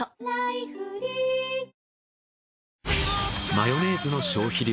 マヨネーズの消費量